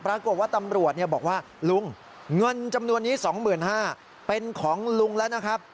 ปรากฏว่าตำรวจบอกว่าลุงเงินจำนวนนี้๒๕๐๐บาทเป็นของลุงแล้วนะครับ